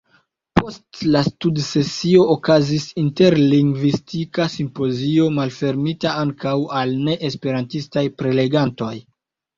Post la studsesio okazis interlingvistika simpozio, malfermita ankaŭ al neesperantistaj prelegantoj.